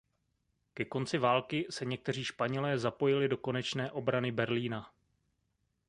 Ke konci války se někteří Španělé zapojili do konečné obrany Berlína.